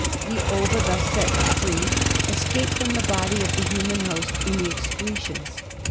The ova thus set free escape from the body of the human host in the ex cretions.